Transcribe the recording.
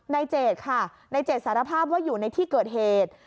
เจดค่ะในเจดสารภาพว่าอยู่ในที่เกิดเหตุ